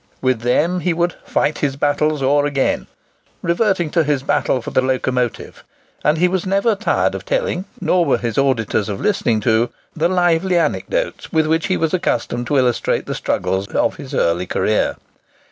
With them he would "fight his battles o'er again," reverting to his battle for the locomotive; and he was never tired of telling, nor were his auditors of listening to, the lively anecdotes with which he was accustomed to illustrate the struggles of his early career.